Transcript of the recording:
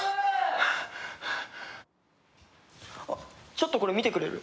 ちょっとこれ見てくれる？